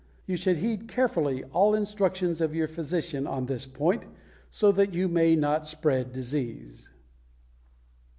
You should heed carefully all instructions of your physician on this point, so that you may not spread disease.